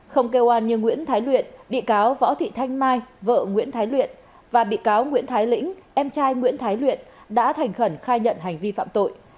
không kêu oan như nguyễn thái luyện bị cáo võ thị thanh mai vợ nguyễn thái luyện và bị cáo nguyễn thái lĩnh em trai nguyễn thái luyện đã thành khẩn khai nhận hành vi phạm tội